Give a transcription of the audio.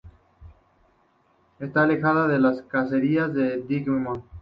Esta alejada de las cacerías de digimon.